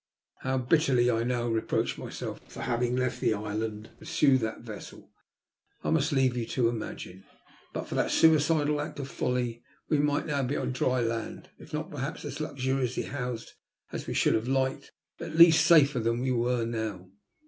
How bitterly I now reproached myself for having left the island to pursue that vessel I must leave you to imagine. But for that suicidal act of folly we might now be on dry land, if not perhaps as luxuriously housed as we should have liked, at least safer than we were now.